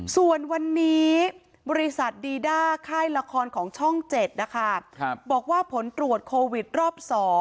ส่วนวันนี้บริษัทดีด้าค่ายละครของช่อง๗นะคะบอกว่าผลตรวจโควิดรอบ๒